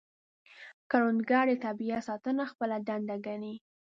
کروندګر د طبیعت ساتنه خپله دنده ګڼي